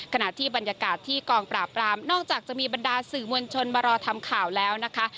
ขณะที่บรรยากาศที่กองปราบรามนอกจากจะมีบรรดาสื่อมวลชนมารอทำข่าวแล้วนะคะ